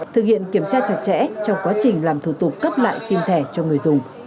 thực hiện kiểm tra chặt chẽ trong quá trình làm thủ tục cấp lại sim thẻ cho người dùng